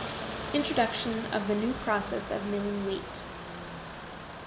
INTRODUCTION OF THE NEW PROCESS OF MILLING WHEAT.